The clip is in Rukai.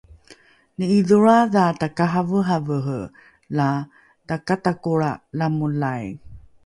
ni’idholroadha takaraveravere la takatakolra lamolai